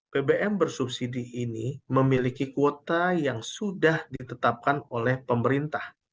bbm bersubsidi ini memiliki kuota yang sudah ditetapkan oleh pemerintah